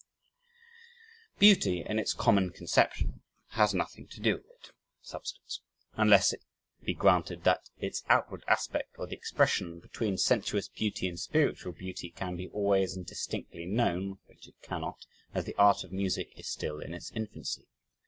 Beauty, in its common conception, has nothing to do with it (substance), unless it be granted that its outward aspect, or the expression between sensuous beauty and spiritual beauty can be always and distinctly known, which it cannot, as the art of music is still in its infancy.